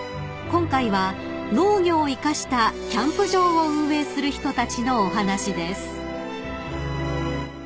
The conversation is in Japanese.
［今回は農業を生かしたキャンプ場を運営する人たちのお話です］